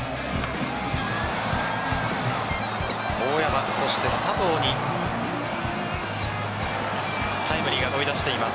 大山、佐藤にタイムリーが飛び出しています。